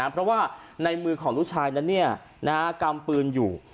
เพราะว่าในมือของลูกชายนั้นเนี่ยนะครับกำปืนอยู่